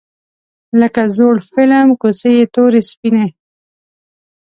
لکه زوړ فیلم کوڅې یې تورې سپینې